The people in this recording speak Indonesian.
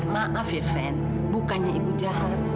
maaf ya fren bukannya ibu jahat